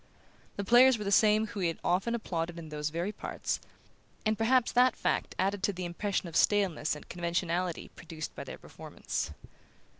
The players were the same whom he had often applauded in those very parts, and perhaps that fact added to the impression of staleness and conventionality produced by their performance.